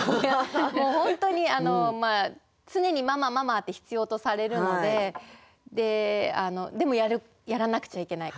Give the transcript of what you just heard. もう本当に常に「ママママ」って必要とされるのででもやらなくちゃいけないこともある。